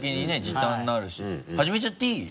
時短になるし始めちゃっていい？